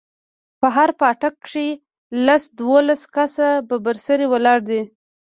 په هر پاټک کښې لس دولس کسه ببر سري ولاړ دي.